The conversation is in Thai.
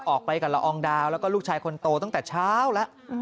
ออกไปกับละอองดาวแล้วก็ลูกชายคนโตตั้งแต่เช้าแล้ว